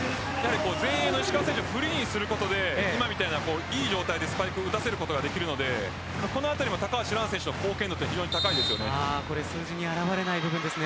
前衛の石川選手をフリーにすることで今みたいな良い状態でスパイクを打たせることができるのでこのあたりの高橋藍選手の数字に表れない部分です。